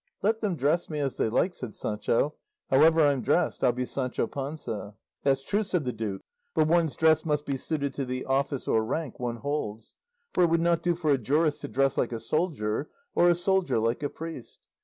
"Let them dress me as they like," said Sancho; "however I'm dressed I'll be Sancho Panza." "That's true," said the duke; "but one's dress must be suited to the office or rank one holds; for it would not do for a jurist to dress like a soldier, or a soldier like a priest.